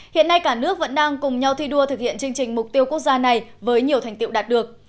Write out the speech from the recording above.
hiện nay cả nước vẫn đang cùng nhau thi đua thực hiện chương trình mục tiêu quốc gia này với nhiều thành tiệu đạt được